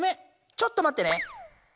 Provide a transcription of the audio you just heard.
ちょっと待ってね。